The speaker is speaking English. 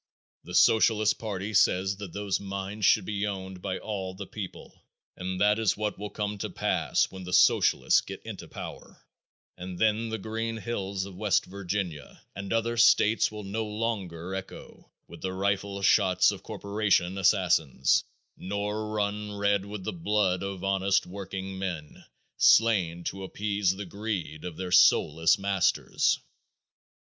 The Socialist party says that those mines should be owned by all the people and that is what will come to pass when the socialists get into power, and then the green hills of West Virginia and other states will no longer echo with the rifle shots of corporation assassins, nor run red with the blood of honest workingmen slain to appease the greed of their soulless masters.